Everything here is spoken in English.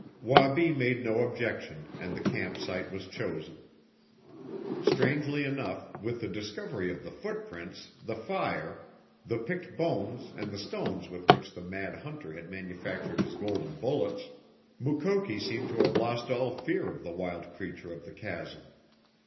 Wabi made no objection, and the camp site was chosen. Strangely enough, with the discovery of the footprints, the fire, the picked bones and the stones with which the mad hunter had manufactured his golden bullets, Mukoki seemed to have lost all fear of the wild creature of the chasm.